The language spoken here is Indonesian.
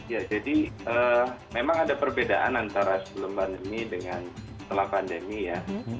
ya jadi memang ada perbedaan antara sebelum pandemi dengan setelah pandemi ya